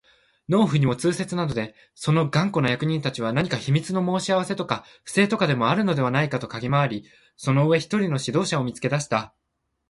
農夫にも痛切なので、その頑固な役人たちは何か秘密の申し合せとか不正とかでもあるのではないかとかぎ廻り、その上、一人の指導者を見つけ出した